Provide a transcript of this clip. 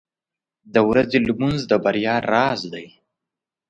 • د ورځې لمونځ د بریا راز دی.